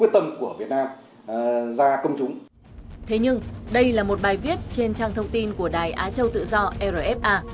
thế nhưng đây là một bài viết trên trang thông tin của đài á châu tự do rfa